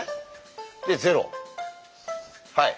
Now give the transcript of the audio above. はい。